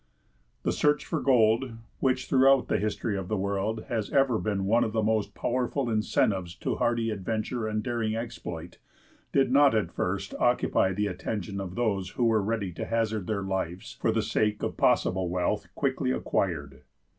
The search for gold, which throughout the history of the world has ever been one of the most powerful incentives to hardy adventure and daring exploit, did not at first occupy the attention of those who were ready to hazard their lives for the sake of possible wealth quickly acquired.